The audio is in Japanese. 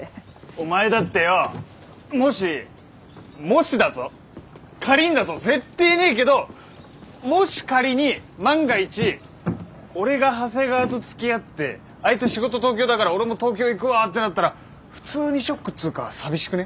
お前だってよもしもしだぞ仮にだぞ絶対ねえけどもし仮に万が一俺が長谷川とつきあってあいつ仕事東京だから俺も東京行くわってなったら普通にショックっつうか寂しくね？